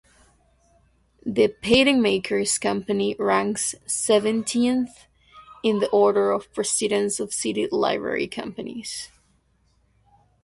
The Pattenmakers' Company ranks seventieth in the order of precedence of City Livery Companies.